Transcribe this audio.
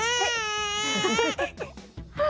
เฮ่ย